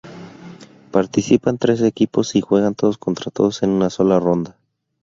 Participan tres equipos y juegan todos contra todos en una sola ronda.